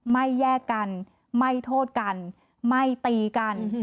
ไม่แยกกันไม่โทษกันไม่ตีกัน